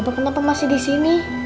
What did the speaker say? kenapa masih di sini